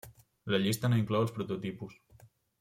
La llista no inclou els prototipus.